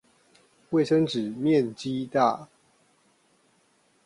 衛生紙面積大